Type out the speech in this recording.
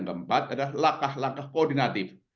keempat adalah lakah lakah koordinatif